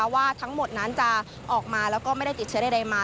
ว่าทั้งหมดนั้นจะออกมาแล้วก็ไม่ได้ติดเชื้อใดมา